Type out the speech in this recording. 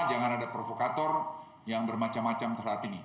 jangan ada provokator yang bermacam macam saat ini